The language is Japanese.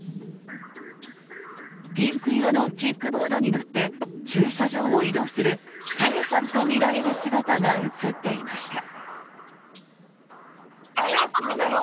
ピンク色のキックボードに乗って駐車場を移動する朝芽さんとみられる姿が映っていました。